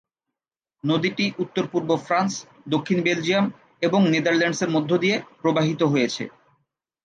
নদীটি উত্তর-পূর্ব ফ্রান্স, দক্ষিণ বেলজিয়াম এবং নেদারল্যান্ডসের মধ্য দিয়ে প্রবাহিত হয়েছে।